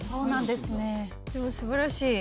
「でも素晴らしい」